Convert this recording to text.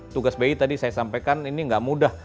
tugas bi tadi saya sampaikan ini nggak mudah